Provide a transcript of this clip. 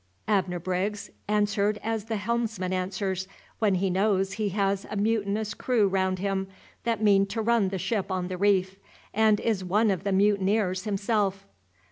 Abner Briggs answered as the helmsman answers, when he knows he has a mutinous crew round him that mean to run the ship on the reef, and is one of the mutineers himself.